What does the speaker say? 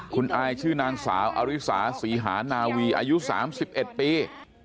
คุณอายชื่อนางสาวอริสาศรีหานาวีอายุ๓๑ปี